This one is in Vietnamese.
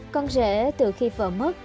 con rể từ khi vợ mất